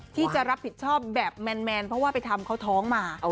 ที่จะรับผิดชอบแบบแมนเพราะว่าไปทำเขาท้องมา